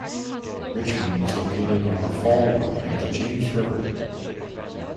Richmond is located on the fall line of the James River.